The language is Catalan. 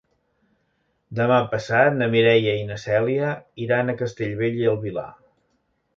Demà passat na Mireia i na Cèlia iran a Castellbell i el Vilar.